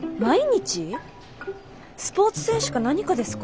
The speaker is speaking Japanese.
スポーツ選手か何かですか？